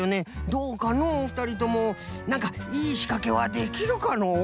どうかのうふたりともなんかいいしかけはできるかのう？